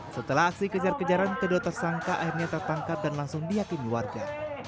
setelah aksi kejar kejaran kedua tersangka akhirnya tertangkap dan langsung dihakimi warga